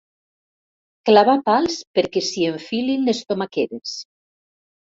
Clavar pals perquè s'hi enfilin les tomaqueres.